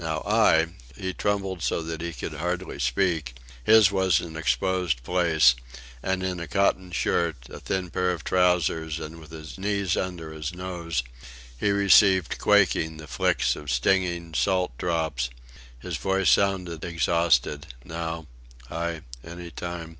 Now, I" he trembled so that he could hardly speak; his was an exposed place, and in a cotton shirt, a thin pair of trousers, and with his knees under his nose, he received, quaking, the flicks of stinging, salt drops; his voice sounded exhausted "now. I any time...